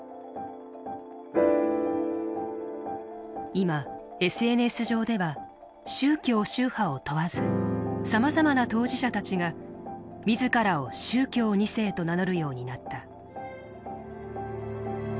今ＳＮＳ上では宗教宗派を問わずさまざまな当事者たちが自らを宗教２世と名乗るようになった。